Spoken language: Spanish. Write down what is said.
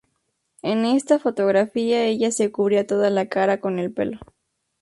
En esta fotografía ella se cubría toda la cara con el pelo.